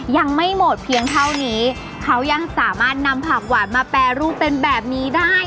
ยังไม่หมดเพียงเท่านี้เขายังสามารถนำผักหวานมาแปรรูปเป็นแบบนี้ได้